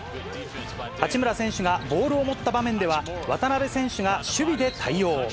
八村選手がボールを持った場面では、渡邊選手が守備で対応。